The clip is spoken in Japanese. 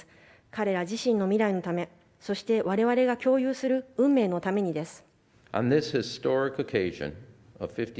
彼ら自身の未来のためそして、我々が共有する運命のためにです。